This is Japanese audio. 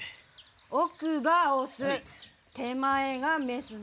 奥がオス手前がメスね。